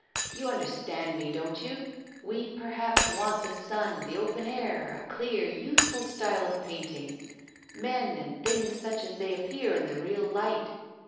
You understand me, don't you? We, perhaps, want the sun, the open air, a clear, youthful style of painting, men and things such as they appear in the real light.